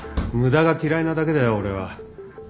無駄が嫌いなだけだよ俺は。